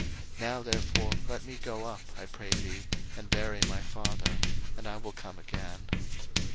Now therefore let me go up, I pray thee, and bury my father, and I will come again.